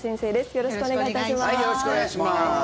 よろしくお願いします。